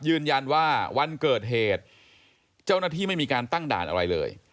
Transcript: ยืนยันว่าวันเกิดเหตุเจ้าหน้าที่ไม่มีการตั้งด่านอะไรเลย